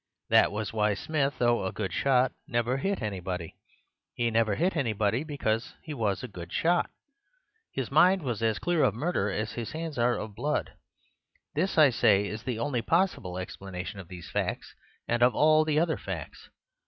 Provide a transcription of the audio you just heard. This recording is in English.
That was why Smith, though a good shot, never hit anybody. He never hit anybody because he was a good shot. His mind was as clear of murder as his hands are of blood. This, I say, is the only possible explanation of these facts and of all the other facts.